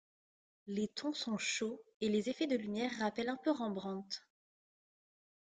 Les tons sont chauds et les effets de lumière rappellent un peu Rembrandt.